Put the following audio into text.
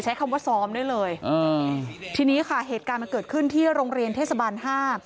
ใช้คำว่าซ้อมได้เลยอืมทีนี้ค่ะเหตุการณ์มันเกิดขึ้นที่โรงเรียนเทศบาลห้า